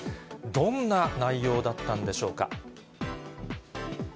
どんな内容だったんでしょうか。